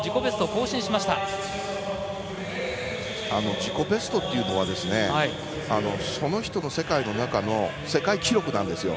自己ベストというのはその人の世界の中の世界記録なんですよ。